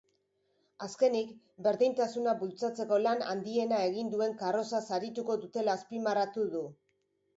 Azkenik, berdintasuna bultzatzeko lan handiena egin duen karroza sarituko dutela azpimarratu du.